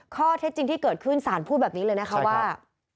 ข้อเท็จจริงที่เกิดขึ้นสารพูดแบบนี้เลยนะคะว่า